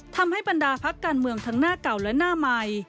ทำให้บรรดาพักการเมืองทั้งหน้าเก่าและหน้าใหม่